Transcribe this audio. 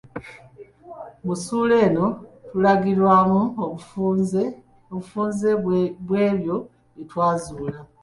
Mu ssuula eno, tulagiramu obufunze bw’ebyo bye twazuula.